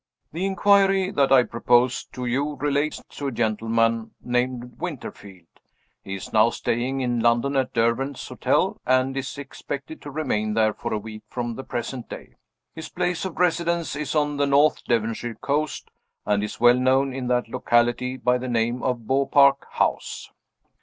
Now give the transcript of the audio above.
The inquiry that I propose to you relates to a gentleman named Winterfield. He is now staying in London, at Derwent's Hotel, and is expected to remain there for a week from the present date. His place of residence is on the North Devonshire coast, and is well known in that locality by the name of Beaupark House.